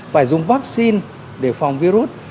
phải dùng vaccine để phòng virus